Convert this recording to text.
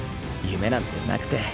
夢なんてなくて。